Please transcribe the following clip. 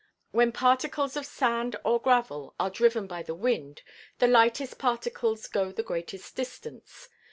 When particles of sand or gravel are driven by the wind, the lightest particles go the greatest distance.